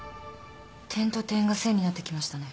点と点が線になってきましたね。